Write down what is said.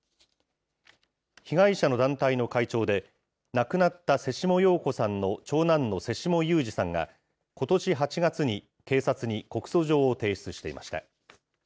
被害者の団体の会長で、亡くなった瀬下陽子さんの長男の瀬下雄史さんが、ことし８月に、警察に告訴状を提出していました。